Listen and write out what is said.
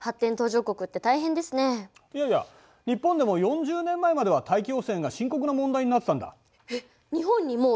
いやいや日本でも４０年前までは大気汚染が深刻な問題になってたんだ。